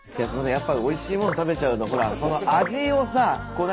やっぱおいしい物食べちゃうとほらその味をさこう何？